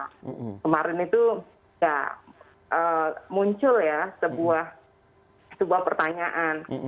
kemarin itu ya muncul ya sebuah pertanyaan